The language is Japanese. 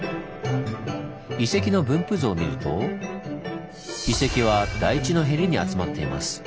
遺跡の分布図を見ると遺跡は台地のへりに集まっています。